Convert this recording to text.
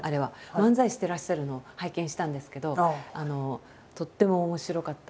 漫才してらっしゃるのを拝見したんですけどとっても面白かった。